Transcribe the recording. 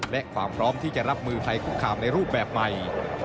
และความพร้อมที่จะรับมือภัยคุกคามในรูปแบบใหม่